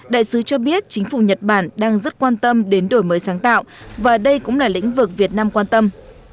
đại sứ cho biết chính phủ nhật bản đang rất quan tâm đến đổi mới sáng tạo và đây cũng là lĩnh vực việt nam quan tâm